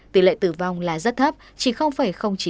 tỷ lệ tử vong là rất thấp chỉ chín